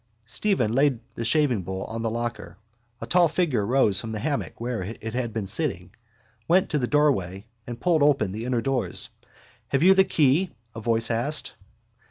Stephen laid the shavingbowl on the locker. A tall figure rose from the hammock where it had been sitting, went to the doorway and pulled open the inner doors. —Have you the key? a voice asked.